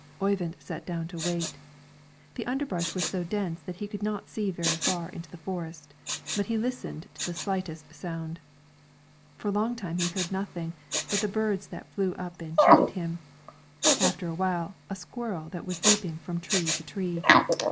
Oyvind sat down to wait. The underbrush was so dense that he could not see very far into the forest, but he listened to the slightest sound. For a long time he heard nothing but the birds that flew up and cheated him, after a while a squirrel that was leaping from tree to tree.